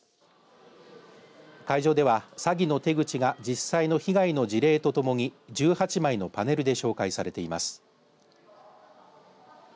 会場では、詐欺の手口が実際の被害の事例とともに１８枚のパネルで紹介されています。